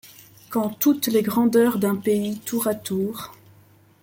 Quand toutes les grandeurs d'un pays tour à tour